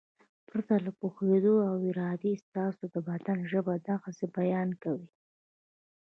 پرته له پوهېدو او ارادې ستاسې د بدن ژبه د غسې بیان کوي.